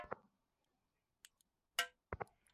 কিছুক্ষণ যুদ্ধ চলে।